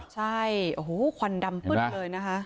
ใช่โอ้โหควันดำปึ๊ดเลยนะคะ